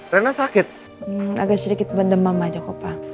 renah sakit agak sedikit benda mama jakob pak